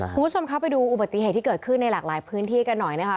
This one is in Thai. คุณผู้ชมครับไปดูอุบัติเหตุที่เกิดขึ้นในหลากหลายพื้นที่กันหน่อยนะคะ